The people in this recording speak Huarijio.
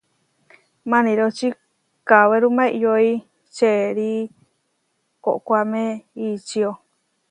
Maniroči kawéruma iʼyói čeʼéri koʼkoáme ičió.